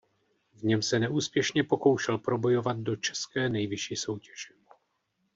V něm se neúspěšně pokoušel probojovat do české nejvyšší soutěže.